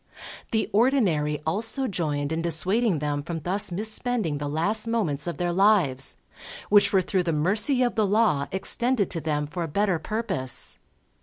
The Ordinary also joined in dissuading them from thus misspending the last moments of their lives, which were through the mercy of the Law extended to them for a better purpose.